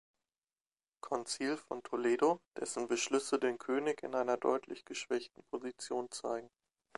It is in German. Konzil von Toledo, dessen Beschlüsse den König in einer deutlich geschwächten Position zeigen.